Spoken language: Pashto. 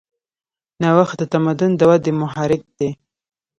نوښت د تمدن د ودې محرک دی.